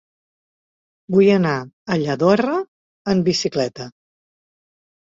Vull anar a Lladorre amb bicicleta.